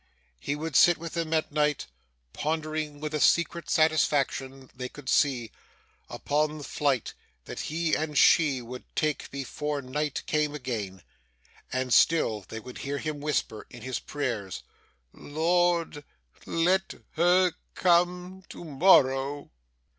He would sit with them at night, pondering with a secret satisfaction, they could see, upon the flight that he and she would take before night came again; and still they would hear him whisper in his prayers, 'Lord! Let her come to morrow!